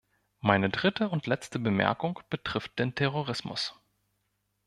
Meine dritte und letzte Bemerkung betrifft den Terrorismus.